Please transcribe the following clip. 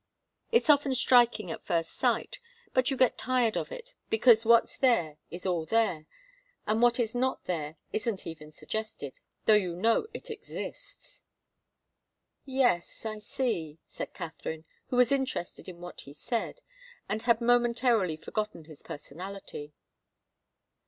It's often striking at first sight, but you get tired of it, because what's there is all there and what is not there isn't even suggested, though you know it exists." "Yes, I see," said Katharine, who was interested in what he said, and had momentarily forgotten his personality.